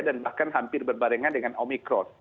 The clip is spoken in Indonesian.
dan bahkan hampir berbarengan dengan omikron